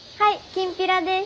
きんぴらです！